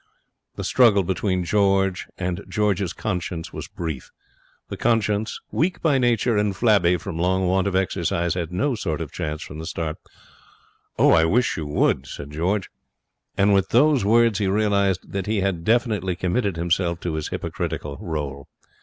The struggle between George and George's conscience was brief. The conscience, weak by nature and flabby from long want of exercise, had no sort of chance from the start. 'I wish you would,' said George. And with those words he realized that he had definitely committed himself to his hypocritical role.